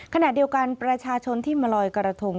ขณะเดียวกันประชาชนที่มาลอยกระทง